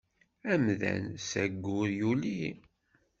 Amdan s aggur yuli.